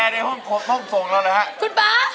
นี่ไง